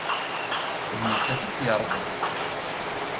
D nettat i tt-yeṛẓan.